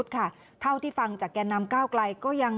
แต่ว่าพักก็ได้มากกว่า๖๔เสียง